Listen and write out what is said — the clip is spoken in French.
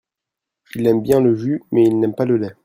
Il aime bien le jus mais il n'aime pas le lait.